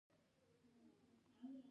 دا سرور د ډېرو کاروونکو ملاتړ کوي.